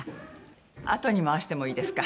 あとに回してもいいですか？